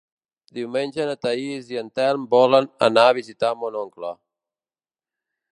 Diumenge na Thaís i en Telm volen anar a visitar mon oncle.